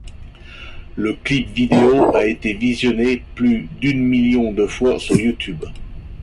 Le clip vidéo a été visionné plus d'une million de fois sur YouTube.